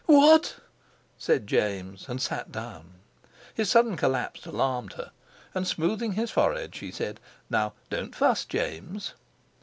"What!" said James, and sat down. His sudden collapse alarmed her, and smoothing his forehead, she said: "Now, don't fuss, James!"